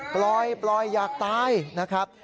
ปล่อยปล่อยอยากตายนะครับ